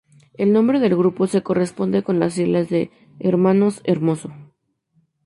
El nombre del grupo se corresponde con las siglas de "Hermanos Hermoso".